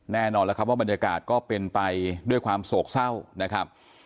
แน่นอนแล้วครับว่าบรรยากาศก็เป็นไปด้วยความโศกเศร้านะครับ